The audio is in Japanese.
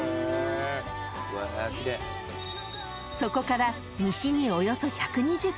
［そこから西におよそ１２０ｋｍ］